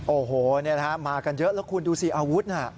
โอ้โหมากันเยอะแล้วคุณดูสิอาวุธน่ะ